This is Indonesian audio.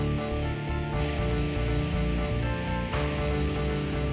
di sasana banjisakti